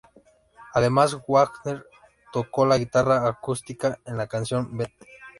Además Wagner tocó la guitarra acústica en la canción "Beth".